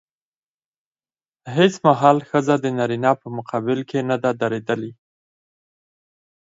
هېڅ مهال ښځه د نارينه په مقابل کې نه ده درېدلې.